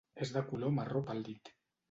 És de color marró pàl·lid.